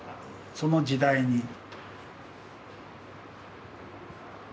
その時代に。